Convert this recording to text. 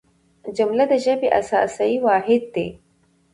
جمله د ژبي اساسي واحد دئ.